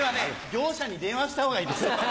業者に電話した方がいいです。